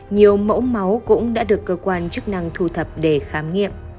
nhiều mẫu máu cũng đã được cơ quan chức năng thu thập để khám nghiệm